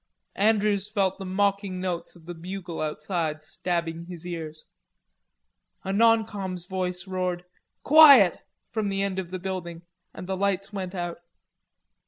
Andrews felt the mocking notes of the bugle outside stabbing his ears. A non com's voice roared: "Quiet," from the end of the building, and the lights went out.